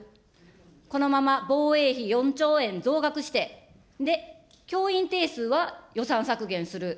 このまま防衛費４兆円増額して、で、教員定数は予算削減する。